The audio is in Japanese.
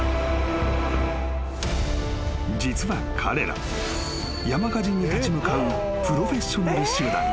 ［実は彼ら山火事に立ち向かうプロフェッショナル集団］